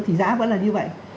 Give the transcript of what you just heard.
thì giá vẫn là như vậy